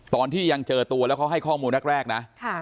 ตอนที่ยังเจอตัวแล้วเขาให้ข้อมูลแรกนะ